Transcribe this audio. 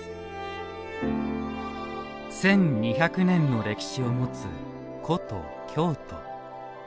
１２００年の歴史を持つ古都京都。